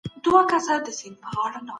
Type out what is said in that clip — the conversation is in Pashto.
غړو به د راتلونکي حکومت بڼه روښانه کړي وي.